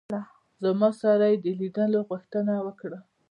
زما سره یې د لیدلو غوښتنه وکړه.